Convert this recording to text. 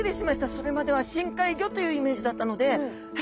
それまでは深海魚というイメージだったので「え！